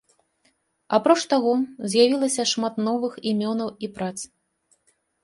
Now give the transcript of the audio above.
Апроч таго з'явілася шмат новых імёнаў і прац.